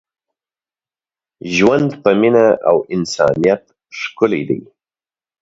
ژوند په مینه او انسانیت ښکلی دی.